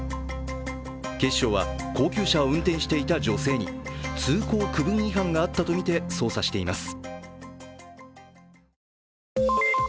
警視庁は高級車を運転していた女性に通行区分違反があったとみて捜査しています。